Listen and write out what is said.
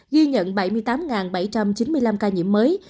ghi nhận bảy mươi tám bảy trăm chín mươi năm ca nhiễm mới